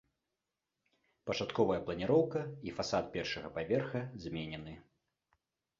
Пачатковая планіроўка і фасад першага паверха зменены.